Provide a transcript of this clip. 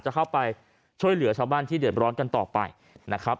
จะเข้าไปช่วยเหลือชาวบ้านที่เดือดร้อนกันต่อไปนะครับ